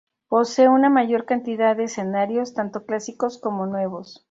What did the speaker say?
Posee una mayor cantidad de escenarios tanto clásicos como nuevos.